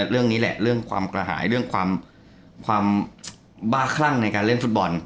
เรื่องนี้แหละเรื่องความกระหายเรื่องความบ้าคลั่งในการเล่นฟุตบอล